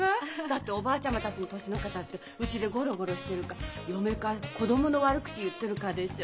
だっておばあちゃまたちの年の方ってうちでゴロゴロしてるか嫁か子供の悪口言ってるかでしょう？